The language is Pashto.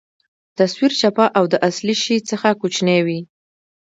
تصویر چپه او د اصلي شي څخه کوچنۍ وي.